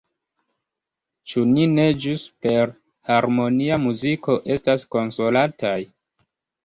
Ĉu ni ne ĵus per harmonia muziko estas konsolataj?